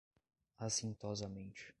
acintosamente